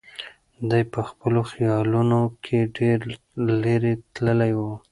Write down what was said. دی په خپلو خیالونو کې ډېر لرې تللی و.